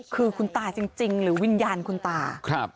คือคุณตาจริงหรือวิญญาณคุณตา